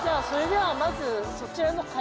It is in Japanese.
それではまずそちらの。